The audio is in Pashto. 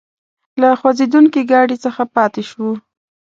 له خوځېدونکي ګاډي څخه پاتې شوو.